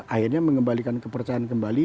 akhirnya mengembalikan kepercayaan kembali